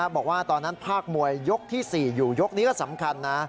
บอกว่าตอนนั้นภาคมวยยกที่๔อยู่ยกนี้ก็สำคัญนะ